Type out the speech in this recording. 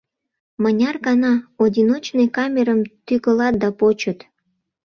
Мыняр гана Одиночный камерым тӱкылат да почыт!